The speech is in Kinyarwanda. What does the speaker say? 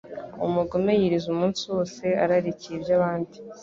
Umugome yiriza umunsi wose ararikiye iby’abandi